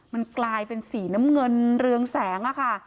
มันกลายเป็นสีน้ำเงินเรืองแสงอะค่ะ